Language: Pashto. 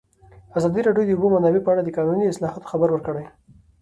ازادي راډیو د د اوبو منابع په اړه د قانوني اصلاحاتو خبر ورکړی.